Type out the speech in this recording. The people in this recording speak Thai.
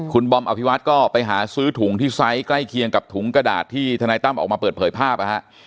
คุณบอมอภิวัตก็ไปหาซื้อถุงที่ไซส์ใกล้เคียงกับถุงกระดาษที่ธนายตั้มออกมาเปิดเผยภาพนะฮะ